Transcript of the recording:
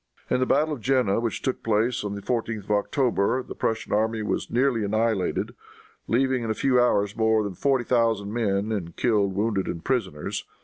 In the battle of Jena, which took place on the 14th of October, the Prussian army was nearly annihilated, leaving in a few hours more than forty thousand men in killed, wounded and prisoners.